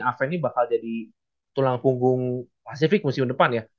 ave ini bakal jadi tulang punggung pasifik musim depan ya